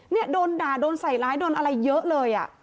เนี่ยโดนด่าโดนใส่ร้ายโดนอะไรเยอะเลยอ่ะ